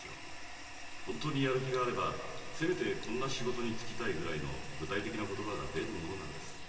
本当にやる気があればせめて「こんな仕事に就きたい」ぐらいの具体的な言葉が出るものなんです。